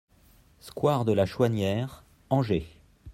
SQUARE DE LA CHOUANIERE, Angers